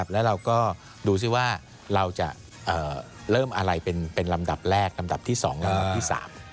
แล้วเราก็ดูซิว่าเราจะเริ่มอะไรเป็นลำดับแรกลำดับที่๒ลำดับที่๓